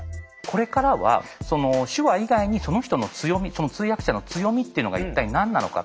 これからは手話以外にその人の強み通訳者の強みっていうのが一体何なのか。